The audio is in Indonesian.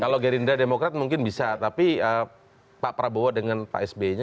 kalau gerindra demokrat mungkin bisa tapi pak prabowo dengan pak sby nya